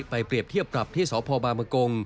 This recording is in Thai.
ไปเปรียบเทียบกับที่สบมก